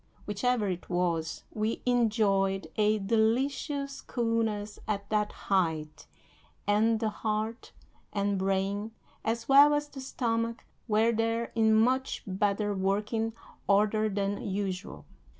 Whichever it was, we enjoyed a delicious coolness at that height, and the heart and brain, as well as the stomach, were there in much better working order than usual.